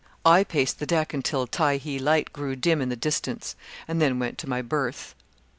I paced the deck until Tyhee light grew dim in the distance, and then went to my berth.